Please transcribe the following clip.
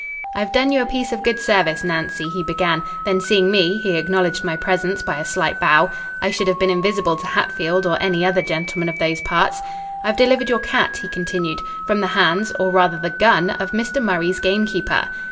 "I've done you a piece of good service, Nancy," he began: then seeing me, he acknowledged my presence by a slight bow. I should have been invisible to Hatfield, or any other gentleman of those parts. "I've delivered your cat," he continued, "from the hands, or rather the gun, of Mr. Murray's gamekeeper."